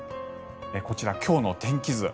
こちら、今日の天気図。